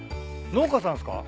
農家さんっすか？